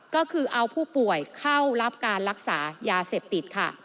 ก็คือเอาผู้ป่วยเข้ารับการรักษายาเสพติดค่ะ